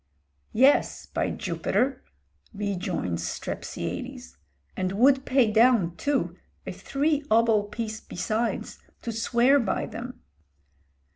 "Yes, by Jupiter!" rejoins Strepsiades, "and would pay down, too, a three obol piece besides to swear by them."